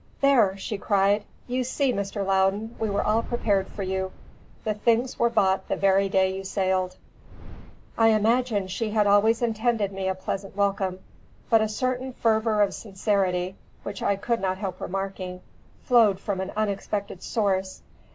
"There!" she cried; "you see, Mr. Loudon, we were all prepared for you; the things were bought the very day you sailed." I imagined she had always intended me a pleasant welcome; but the certain fervour of sincerity, which I could not help remarking, flowed from an unexpected source.